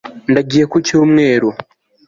ndagiye ku cyumweru